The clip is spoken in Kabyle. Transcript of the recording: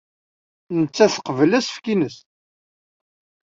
Nettat teqbel asefk-nnes.